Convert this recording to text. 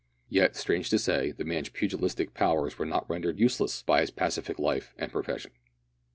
Yet, strange to say, the man's pugilistic powers were not rendered useless by his pacific life and profession.